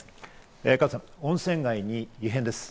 加藤さん、温泉街に異変です。